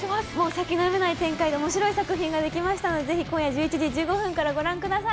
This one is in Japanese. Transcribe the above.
先の読めない展開の面白い作品ができましたのでぜひ、今夜１１時１５分からご覧ください。